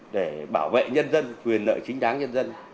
để bảo vệ nhân dân quyền lợi chính đáng nhân dân